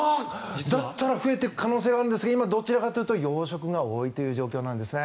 だったら増えていく可能性があるんですが今、どちらかというと洋食が多いという状況なんですね。